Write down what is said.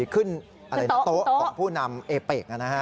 ขึ้นโต๊ะของผู้นำเอเบกนะฮะ